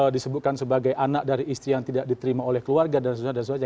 disebutkan sebagai anak dari istri yang tidak diterima oleh keluarga dan sebagainya